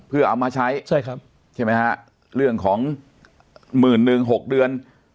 เพื่อเอามาใช้ใช่ครับใช่ไหมฮะเรื่องของหมื่นหนึ่งหกเดือน